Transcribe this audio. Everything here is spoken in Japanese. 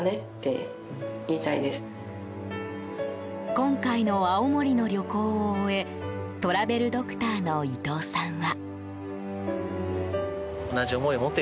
今回の青森の旅行を終えトラベルドクターの伊藤さんは。